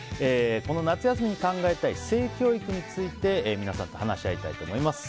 この夏休みに考えたい性教育について皆さんと話し合いたいと思います。